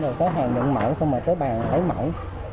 rồi tới hàng nhận mẫu xong rồi tới bàn lấy mẫu